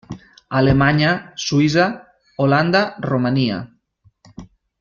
Alemanya, Suïssa, Holanda, Romania.